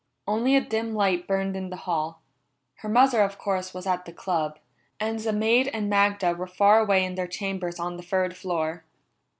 Only a dim light burned in the hall; her mother, of course, was at the Club, and the maid and Magda were far away in their chambers on the third floor.